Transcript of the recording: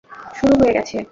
শুরু হয়ে গেছে।